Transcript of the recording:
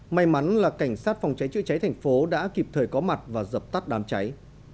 may mắn là cảnh sát phòng cháy chữa cháy thành phố đã kịp thời có mặt và dập tắt đám cháy